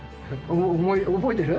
覚えてる？